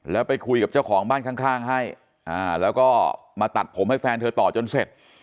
แล้วไปคุยกับเจ้าของบ้านข้างให้แล้วก็มาตัดผมให้แฟนเธอต่อจนเสร็จ